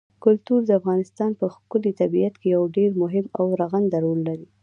کلتور د افغانستان په ښکلي طبیعت کې یو ډېر مهم او رغنده رول لري.